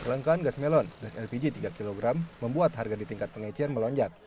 kelangkaan gas melon gas lpg tiga kg membuat harga di tingkat pengecir melonjak